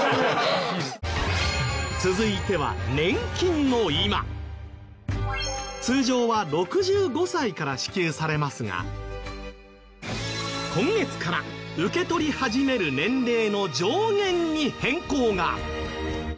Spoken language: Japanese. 続いては通常は６５歳から支給されますが今月から受け取り始める年齢の上限に変更が！